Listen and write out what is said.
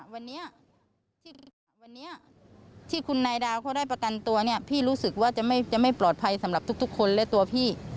วันนี้ที่วันนี้ที่คุณนายดาวเขาได้ประกันตัวเนี่ยพี่รู้สึกว่าจะไม่ปลอดภัยสำหรับทุกคนและตัวพี่